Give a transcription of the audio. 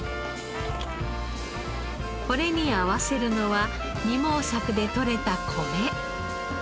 これに合わせるのは二毛作でとれた米。